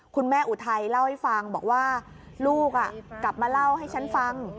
อุทัยเล่าให้ฟังบอกว่าลูกกลับมาเล่าให้ฉันฟัง